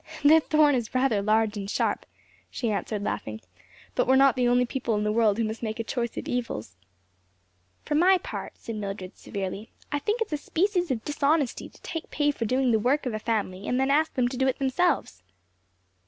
"The thorn is rather large and sharp," she answered laughing, "but we are not the only people in the world who must make a choice of evils." "For my part," said Mildred severely, "I think it's a species of dishonesty to take pay for doing the work of a family and then ask them to do it themselves."